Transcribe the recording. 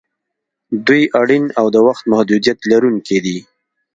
دوی اړین او د وخت محدودیت لرونکي دي.